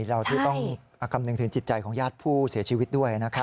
เราที่ต้องคำนึงถึงจิตใจของญาติผู้เสียชีวิตด้วยนะครับ